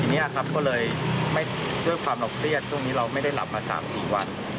ทีนี้ครับก็เลยด้วยความเราเครียดช่วงนี้เราไม่ได้หลับมา๓๔วัน